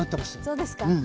そうですか。